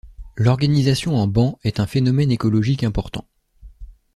L'organisation en banc est un phénomène écologique important.